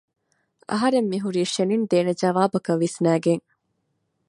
އަހަރެން މިހުރީ ޝެނިން ދޭނެ ޖަވާބަކަށް ވިސްނައިގެން